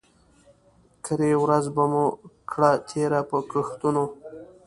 کرۍ ورځ به مو کړه تېره په ګښتونو